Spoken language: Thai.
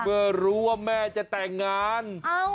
เมื่อรู้ว่าแม่จะแต่งงาน